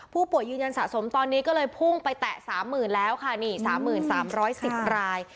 ยืนยันสะสมตอนนี้ก็เลยพุ่งไปแตะ๓๐๐๐แล้วค่ะนี่๓๓๑๐ราย